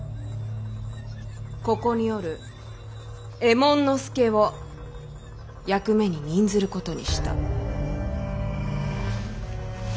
ここにおる右衛門佐を役目に任ずることにした。